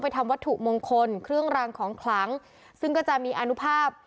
ทำวัตถุมงคลเครื่องรางของขลังซึ่งก็จะมีอนุภาพ